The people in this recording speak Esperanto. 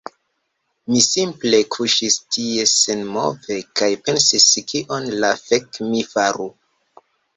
Mi simple kuŝis tie senmove kaj pensis kion la fek' mi faru